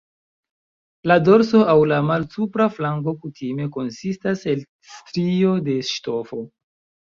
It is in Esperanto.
La dorso aŭ la malsupra flanko kutime konsistas el strio de ŝtofo.